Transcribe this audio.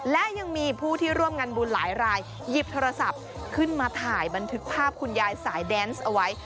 และยังมีผู้ที่ร่วมงานบุญหลายรายหยิบโทรศัพท์ขึ้นมาถ่ายบันทึกภาพคุณยายสายแดนส์เอาไว้